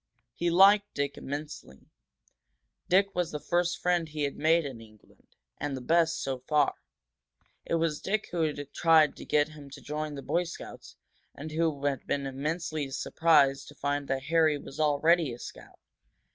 He liked Dick immensely; Dick was the first friend he had made in England, and the best, so far. It was Dick who had tried to get him to join the Boy Scouts, and who had been immensely surprised to find that Harry was already a scout.